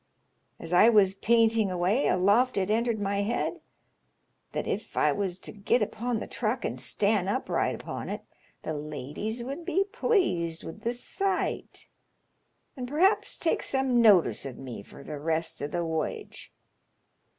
As I was painting away aloft it entered my head that if I was to git upon the truck and stan' upright upon it the ladies would be pleased with the sight, and perhaps take some notice of me fur the rest o' th* woyage.